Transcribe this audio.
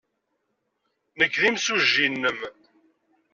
Nekk d imsujji-nnem.